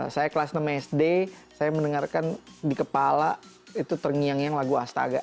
saya kelas enam sd saya mendengarkan di kepala itu terngiang ngiang lagu astaga